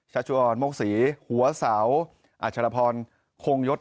ชัชว์ออนโมกศรีหัวสาวอาชารพรโคงยศ